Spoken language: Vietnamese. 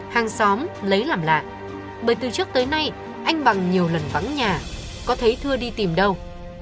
hàng xóm lấy làm lạ bởi từ trước tới nay anh bằng nhiều lần vắng nhà có thấy thưa đi tìm đâu